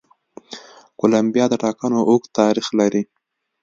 کولمبیا د ټاکنو اوږد تاریخ لري.